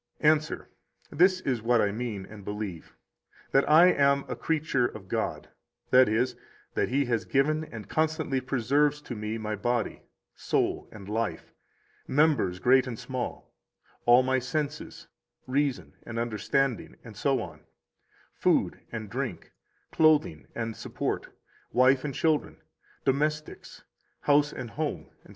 Answer: This is what I mean and believe, that I am a creature of God; that is, that He has given and constantly preserves to me my body, soul, and life, members great and small, all my senses, reason, and understanding, and so on, food and drink, clothing and support, wife and children, domestics, house and home, etc.